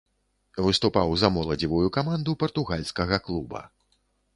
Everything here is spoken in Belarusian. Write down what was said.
Выступаў за моладзевую каманду партугальскага клуба.